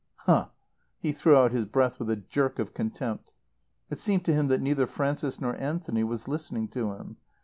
"Huh!" He threw out his breath with a jerk of contempt. It seemed to him that neither Frances nor Anthony was listening to him.